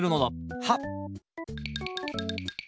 はっ！